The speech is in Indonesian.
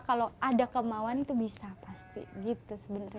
kalau ada kemauan itu bisa pasti gitu sebenarnya